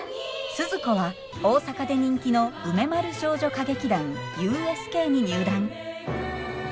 スズ子は大阪で人気の梅丸少女歌劇団ＵＳＫに入団。